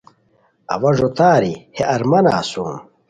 اوا ݱوتاری ہے ارمانہ اسوم